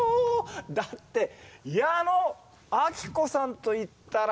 だって矢野顕子さんといったら。